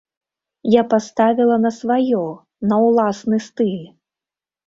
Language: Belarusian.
Я паставіла на сваё, на ўласны стыль.